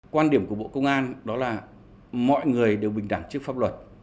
quan điểm của bộ công an đó là mọi người đều bình đẳng trước pháp luật